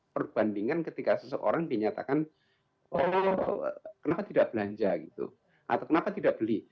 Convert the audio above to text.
perbandingan ketika seseorang dinyatakan oh kenapa tidak belanja gitu atau kenapa tidak beli